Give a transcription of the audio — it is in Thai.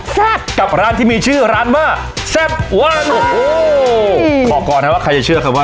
พี่โน่นุ่มนี่เรียกว่าตัวพ่อมากจริงแหละครับ